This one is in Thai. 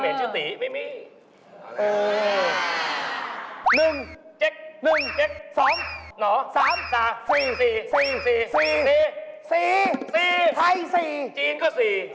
ไทย๔จีนก็๔